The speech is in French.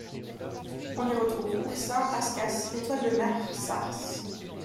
On y retrouve oursins, rascasses, étoiles de mer, sars.